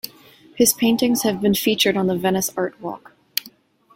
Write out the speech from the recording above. His paintings have been featured on The Venice Art Walk.